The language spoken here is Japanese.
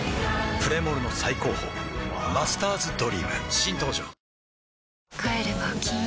プレモルの最高峰「マスターズドリーム」新登場ワオキャー！！！